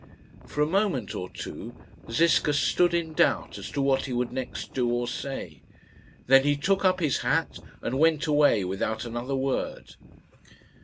For a moment or two Ziska stood in doubt as to what he would next do or say. Then he took up his hat and went away without another word.